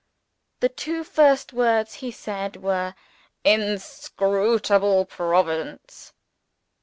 The two first words he said, were: "Inscrutable Providence!"